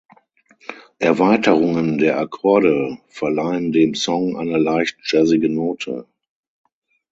Erweiterungen der Akkorde verleihen dem Song eine leicht jazzige Note.